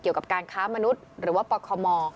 เกี่ยวกับการค้ามนุษย์หรือว่าปคม